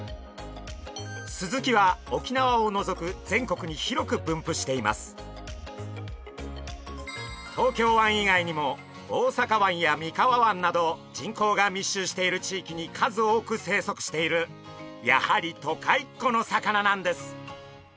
スズキは東京湾以外にも大阪湾や三河湾など人口が密集している地域に数多く生息しているやはり都会っ子の魚なんです。